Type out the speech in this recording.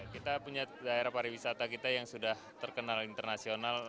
kita punya daerah pariwisata kita yang sudah terkenal internasional